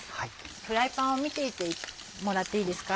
フライパンを見ていてもらっていいですか？